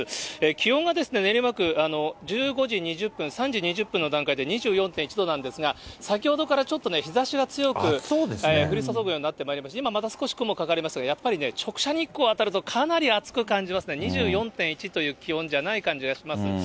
気温がですね、練馬区１５時２０分、３時２０分の段階で２４．１度なんですが、先ほどからちょっとね、日ざしが強く降り注ぐようになってまいりまして、今また少し雲かかりましたが、やっぱりね、直射日光当たるとかなり暑く感じますね、２４．１という気温じゃない感じがします。